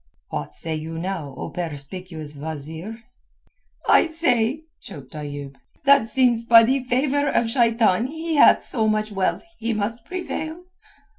"What say you now, O perspicuous wazeer?" "I say," choked Ayoub, "that since by the favour of Shaitan he hath so much wealth he must prevail."